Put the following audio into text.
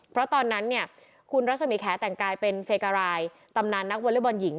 เพราะตอนนั้นเนี่ยคุณรัศมีแขแต่งกายเป็นเฟการายตำนานนักวอเล็กบอลหญิง